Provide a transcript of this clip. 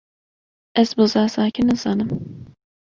Ez bi zazakî nizanim.